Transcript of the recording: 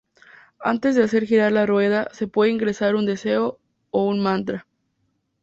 Antes de hacer girar la rueda, se puede ingresar un deseo o un mantra.